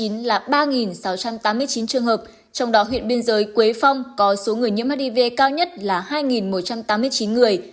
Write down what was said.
trong đó có hai sáu trăm tám mươi chín trường hợp trong đó huyện biên giới quế phong có số người nhiễm hiv cao nhất là hai một trăm tám mươi chín người